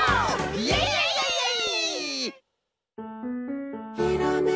イエイイエイイエイイエイ！